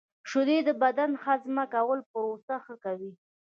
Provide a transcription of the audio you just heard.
• شیدې د بدن د هضم کولو پروسه ښه کوي.